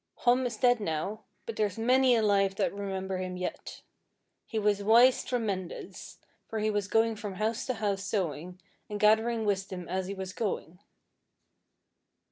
Hom is dead now, but there's many alive that remember him yet. He was wise tremendous, for he was going from house to house sewing, and gathering wisdom as he was going.